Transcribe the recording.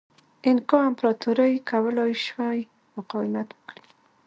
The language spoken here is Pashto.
اینکا امپراتورۍ کولای شوای مقاومت وکړي.